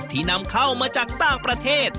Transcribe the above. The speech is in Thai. นำเข้ามาจากต่างประเทศ